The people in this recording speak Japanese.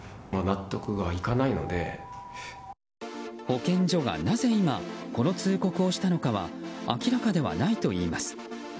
保健所がなぜ今この通告をしたのかは明らかではないといいます。